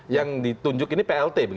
yang ditunjukkan ini plt